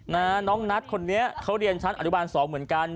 น้องนัทคนนี้เขาเรียนชั้นอนุบาลสองเหมือนกัน